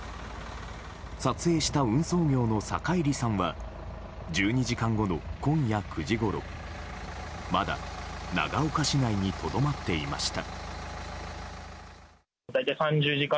撮影した運送業の坂入さんは１２時間後の今夜９時ごろまだ長岡市内にとどまっていました。